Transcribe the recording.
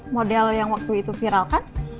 model yang waktu itu viral kan